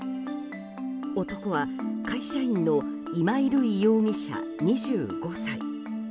男は会社員の今井瑠依容疑者２５歳。